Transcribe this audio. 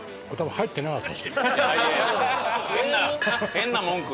変な文句。